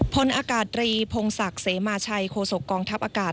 พลอากาศรีพงศักดิ์เสมาชัยโคศกองทัพอากาศ